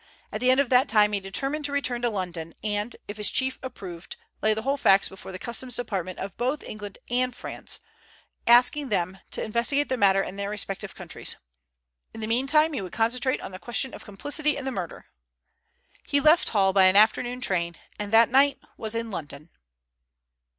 At the end of that time he determined to return to London and, if his chief approved, lay the whole facts before the Customs Departments of both England and France, asking them to investigate the matter in their respective countries. In the meantime he would concentrate on the question of complicity in the murder. He left Hull by an afternoon train, and that night was in London.